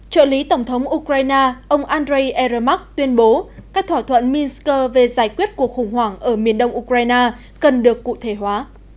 trợ lý tổng thống ukraine ông andrei erc tuyên bố các thỏa thuận minsk về giải quyết cuộc khủng hoảng ở miền đông ukraine cần được cụ thể hóa